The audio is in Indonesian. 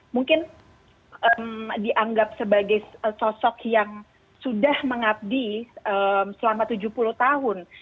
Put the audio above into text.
mungkin dianggap sebagai sosok yang sudah mengabdi selama tujuh puluh tahun